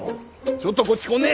ちょっとこっちこんね！